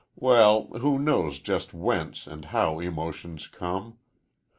Well, who knows just whence and how emotions come?